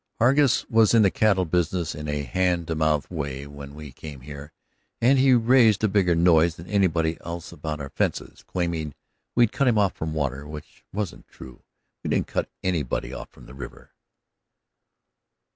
"Hargus was in the cattle business in a hand to mouth way when we came here, and he raised a bigger noise than anybody else about our fences, claiming we'd cut him off from water, which wasn't true. We didn't cut anybody off from the river.